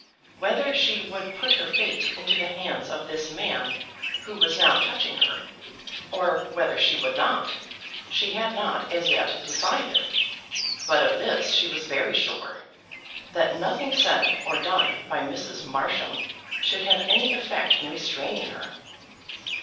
Whether she would put her fate into the hands of this man who was now touching her, or whether she would not, she had not as yet decided; but of this she was very sure, that nothing said or done by Mrs. Marsham should have any effect in restraining her.